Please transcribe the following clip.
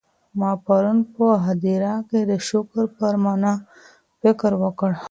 ما پرون په هدیره کي د شکر پر مانا فکر وکړی.